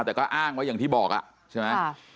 แต่ก็อ้างไว้อย่างที่บอกอ่ะใช่ไหม